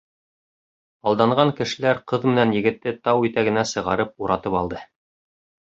Алданған кешеләр ҡыҙ менән егетте тау итәгенә сығарып уратып алды.